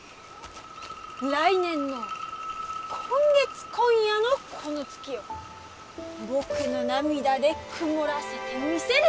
来年の今月今夜のこの月を僕の涙で曇らせてみせる！